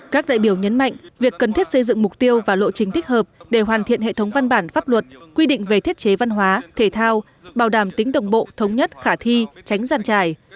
các đại biểu nhấn mạnh việc cần thiết xây dựng mục tiêu và lộ trình thích hợp để hoàn thiện hệ thống văn bản pháp luật quy định về thiết chế văn hóa thể thao bảo đảm tính đồng bộ thống nhất khả thi tránh giàn trải